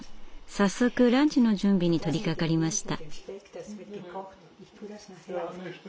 早速ランチの準備に取りかかりました。